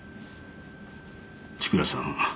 千倉さん